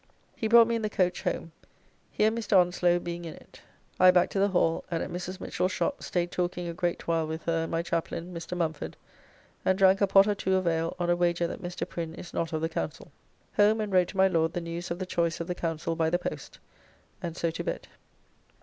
He brought me in the coach home. He and Mr. Anslow being in it. I back to the Hall, and at Mrs. Michell's shop staid talking a great while with her and my Chaplain, Mr. Mumford, and drank a pot or two of ale on a wager that Mr. Prin is not of the Council. Home and wrote to my Lord the news of the choice of the Council by the post, and so to bed.